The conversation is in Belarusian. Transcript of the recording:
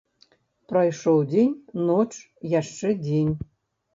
Прайшоў дзень, ноч, яшчэ дзень.